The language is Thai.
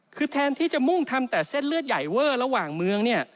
คือแทนที่จะมุ่งทำแต่เส้นเลือดใหญ่เวอร์ระหว่างเมืองเนี่ย